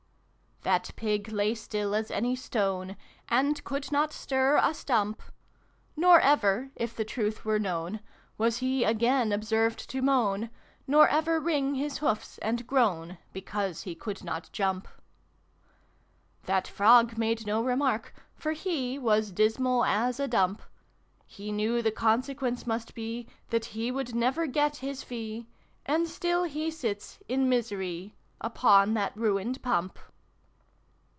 " That Pig lay still as any stone, A nd could not stir a stump : Nor ever, if the trutJi were known, xxiii] THE PIG TALE. Was lie again observed to moan, Nor ever wring liis hoofs and groan, Because he could not jump. Tliat Frog made no remark, for he Was dismal as a dump : He knew the consequence must be That lie would never get his fee And still he sits, in miserie, Upon that ruined Pump